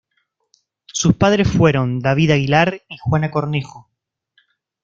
Sus padres fueron David Aguilar y Juana Cornejo.